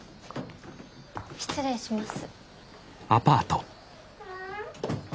失礼します。